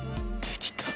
できた！